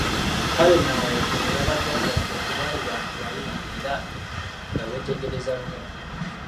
Kale nno awo w'otendera Bajjaajjaffe nti baali bantu bayiiya era nga beetegereza nnyo.